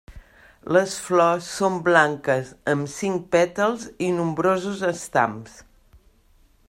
Les flors són blanques amb cinc pètals i nombrosos estams.